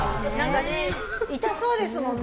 痛そうですもんね